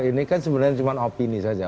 ini kan sebenarnya cuma opini saja